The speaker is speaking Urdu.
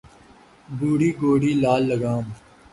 بوڑھی گھوڑی لال لگام